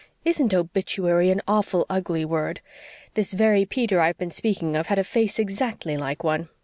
Isn't 'obituary' an awful ugly word? This very Peter I've been speaking of had a face exactly like one.